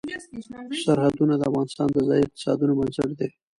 سرحدونه د افغانستان د ځایي اقتصادونو بنسټ دی.